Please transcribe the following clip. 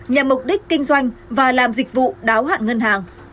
nhằm mục đích kinh doanh và làm dịch vụ đáo hạn ngân hàng